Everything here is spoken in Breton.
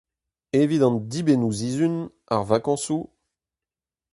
Evit an dibennoù-sizhun, ar vakañsoù…